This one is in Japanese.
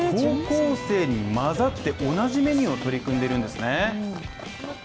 高校生に混ざって、同じメニューを取り組んでいるんですね。